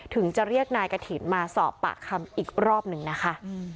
ถึงจะเรียกนายกฐินมาสอบปากคำอีกรอบหนึ่งนะคะ